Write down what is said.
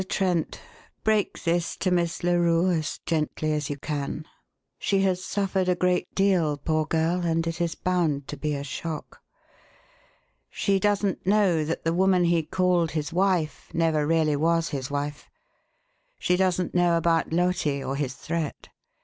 Trent, break this to Miss Larue as gently as you can. She has suffered a great deal, poor girl, and it is bound to be a shock. She doesn't know that the woman he called his wife never really was his wife; she doesn't know about Loti or his threat.